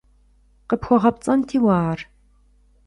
КъыпхуэгъэпцӀэнти уэ ар!